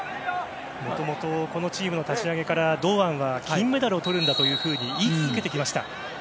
もともとこのチームの立ち上げから堂安は金メダルをとるんだというふうに言い続けてきました。